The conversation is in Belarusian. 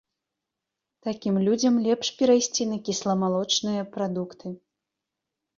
Такім людзям лепш перайсці на кісламалочныя прадукты.